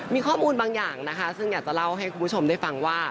มีข้อมูลบางอย่างนะคะซึ่งอยากจะเล่าให้คุณผู้ชมได้ฟังว่า